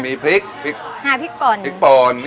มีพริกพริกป่น